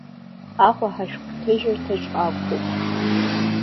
Аҟәа ҳашәҟәҭыжьырҭаҿ акәхуп.